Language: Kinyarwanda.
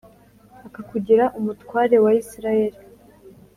akakugira umutware wa Isirayeli